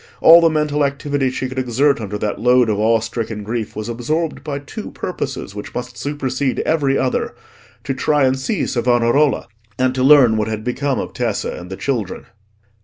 All the mental activity she could exert under that load of awe stricken grief, was absorbed by two purposes which must supersede every other; to try and see Savonarola, and to learn what had become of Tessa and the children.